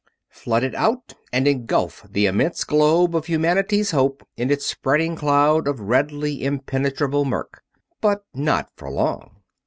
Flooded out and engulfed the immense globe of humanity's hope in its spreading cloud of redly impenetrable murk. But not for long.